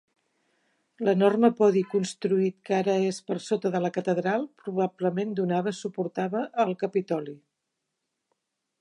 L'enorme podi construït que ara és per sota de la catedral probablement donava suportava el Capitoli.